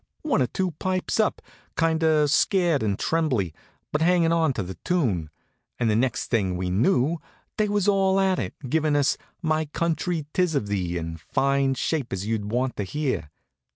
One or two pipes up, kind of scared and trembly, but hangin' onto the tune, and the next thing we knew they was all at it, givin' us "My Country 'Tis of Thee" in as fine shape as you'd want to hear.